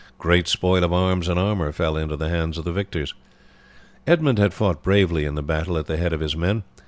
Great spoil of arms and armour fell into the hands of the victors. Edmund had fought bravely in the battle at the head of his men.